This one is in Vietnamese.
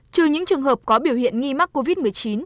trừ những trường hợp có biểu hiện nghi mắc covid một mươi chín